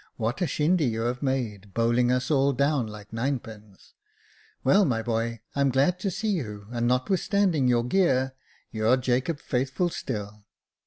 What a shindy you have made, bowling us all down like ninepins ! Well, my boy, I'm glad to see you, and notwithstanding your gear, you're Jacob Faithful still."